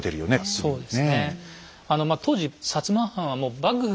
そうですね。